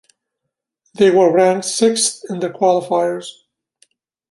They were ranked sixth in the qualifiers.